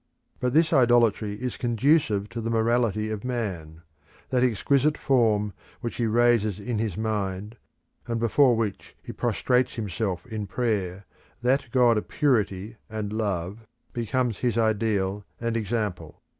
But this idolatry is conducive to the morality of man. That exquisite form which he raises in his mind, and before which he prostrates him self in prayer, that God of purity and love, becomes his ideal and example.